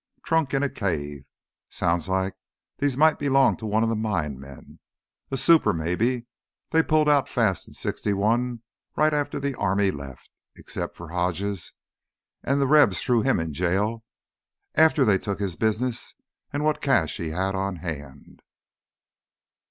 Trunk in a cave ... Sounds like these might belong to one of them mine men—a super, maybe. They pulled out fast in '61, right after th' army left. Except for Hodges, an' th' Rebs threw him in jail after they took his business an' what cash he had on hand."